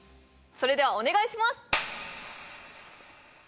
それではお願いします！